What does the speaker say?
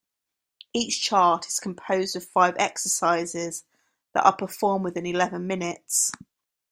Each chart is composed of five exercises that are performed within eleven minutes.